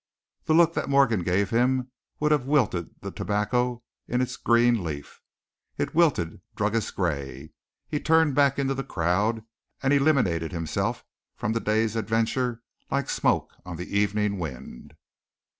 The look that Morgan gave him would have wilted the tobacco in its green leaf. It wilted Druggist Gray. He turned back into the crowd and eliminated himself from the day's adventure like smoke on the evening wind.